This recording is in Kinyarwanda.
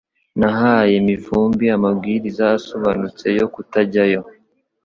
Nahaye Mivumbi amabwiriza asobanutse yo kutajyayo